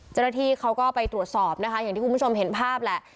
เจ้าหน้าที่เขาก็ไปตรวจสอบนะคะอย่างที่คุณผู้ชมเห็นภาพแหละ